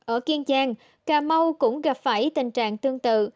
ở kiên giang cà mau cũng gặp phải tình trạng tương tự